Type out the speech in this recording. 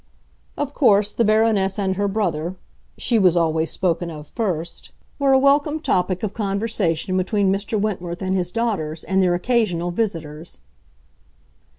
Of course the Baroness and her brother—she was always spoken of first—were a welcome topic of conversation between Mr. Wentworth and his daughters and their occasional visitors.